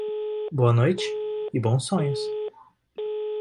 Boa noite, e bons sonhos.